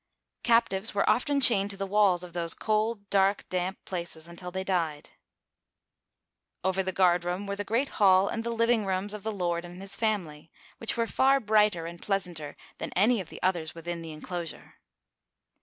Captives were often chained to the walls of these cold, dark, damp places until they died. Over the guard room were the great hall and the living rooms of the lord and his family, which were far brighter and pleasanter than any of the others within the inclosure.